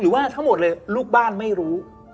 ว่าทั้งหมดเลยลูกบ้านไม่รู้